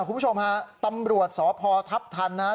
จริงเป็นตำรวจสอพทัพทันนะ